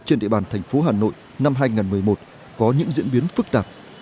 trên địa bàn thành phố hà nội năm hai nghìn một mươi một có những diễn biến phức tạp